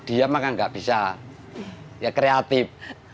diam akan nggak bisa ya kreatif